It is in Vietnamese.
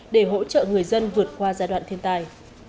để hỗ trợ người dân vượt qua giai đoạn thiên tài